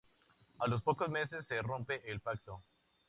A los pocos meses se rompe el pacto.